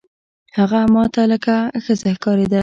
هغه ما ته لکه ښځه ښکارېده.